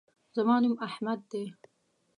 زما نوم احمد دے